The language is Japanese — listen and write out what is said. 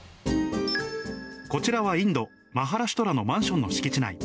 こちらはインド・マハラシュトラのマンションの敷地内。